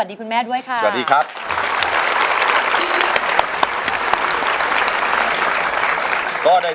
ทั้งในเรื่องของการทำงานเคยทำนานแล้วเกิดปัญหาน้อย